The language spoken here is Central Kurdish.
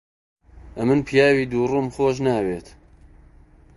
ئەمن پیاوی دووڕووم خۆش ناوێت.